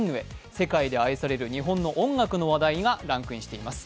世界で愛される日本の音楽の話題がランクインしています。